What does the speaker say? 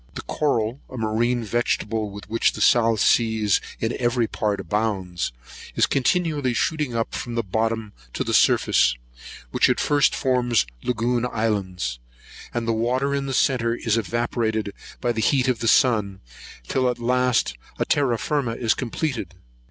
The coral, a marine vegetable, with which the South Seas in every part abounds, is continually shooting up from the bottom to the surface, which at first forms lagoon islands; and the water in the centre is evaporated by the heat of the sun, till at last a terra firma is completed.